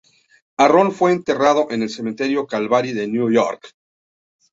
Harron fue enterrado en el Cementerio Calvary de Nueva York.